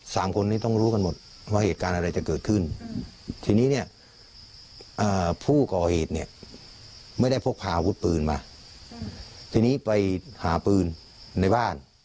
สามคนนี้ต้องรู้กันหมดว่าเหตุการณ์อะไรจะเกิดขึ้นทีนี้เนี่ยผู้ก่อเหตุเนี่ยไม่ได้พกพาอาวุธปืนมาทีนี้ไปหาปืนในบ้าน